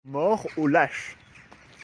Mort aux lâches!